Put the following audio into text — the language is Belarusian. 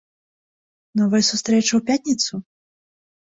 Новая сустрэча ў пятніцу?